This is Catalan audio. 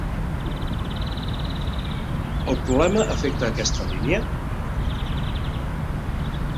El problema afecta a aquesta línia?